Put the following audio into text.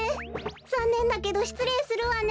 ざんねんだけどしつれいするわね。